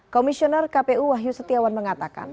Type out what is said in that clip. komisioner kpu wahyu setiawan mengatakan